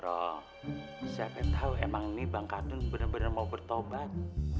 roh siapa yang tau emang nih bang kardun bener bener mau bertobat